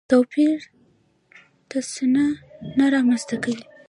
توپیر تصنع نه رامنځته کوي.